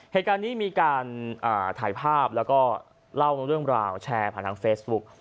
เหตุการณ์นี้มีการถ่ายภาพแล้วก็เล่าเรื่องราวแชร์ผ่านทางเฟซบุ๊ก